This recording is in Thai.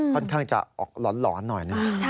ค่อนข้างจะออกหลอนหน่อยหนึ่ง